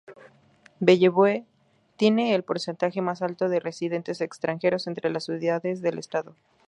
Bellevue tiene el porcentaje más alto de residentes extranjeros entre las ciudades del estado.